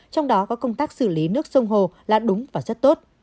trong đó có công tác xử lý nước sông hồ là đúng và rất tốt